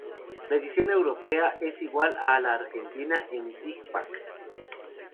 La edición europea es igual a la argentina en digipack.